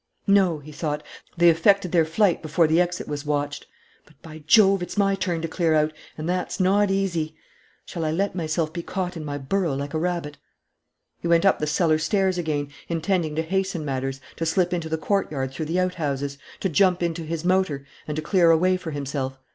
"No," he thought, "they effected their flight before the exit was watched. But, by Jove! it's my turn to clear out; and that's not easy. Shall I let myself be caught in my burrow like a rabbit?" He went up the cellar stairs again, intending to hasten matters, to slip into the courtyard through the outhouses, to jump into his motor, and to clear a way for himself.